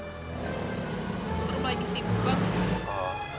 rum lagi sibuk bang